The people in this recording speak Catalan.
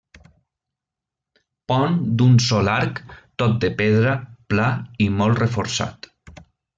Pont d'un sol arc, tot de pedra, pla i molt reforçat.